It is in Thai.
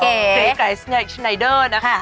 เก๋กับไอศนายเดอร์นะคะ